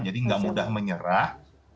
jadi nggak mudah menyerah